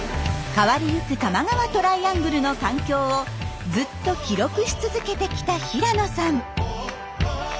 変わりゆく多摩川トライアングルの環境をずっと記録し続けてきた平野さん。